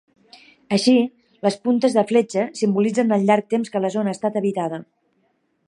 Així, les puntes de fletxa simbolitzen el llarg temps que la zona ha estat habitada.